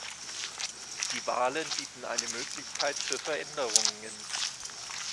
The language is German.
Die Wahlen bieten eine Möglichkeit für Veränderungen.